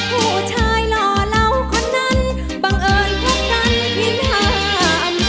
ผู้ชายหล่อเหล่าคนนั้นบังเอิญพบกันทิ้งหาอันเภอ